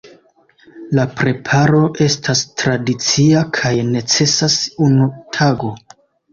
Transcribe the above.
La preparo estas tradicia kaj necesas unu tago.